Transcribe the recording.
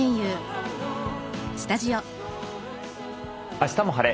「あしたも晴れ！